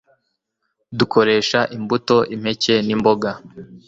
dukoresha imbuto, impeke, n’imboga